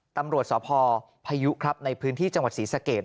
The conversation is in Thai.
ตำรวจสพพายุครับในพื้นที่จังหวัดศรีสะเกด